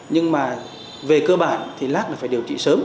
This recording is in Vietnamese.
nhưng mà về cơ bản thì lát là phải điều trị sớm